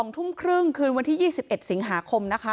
๒ทุ่มครึ่งคืนวันที่๒๑สิงหาคมนะคะ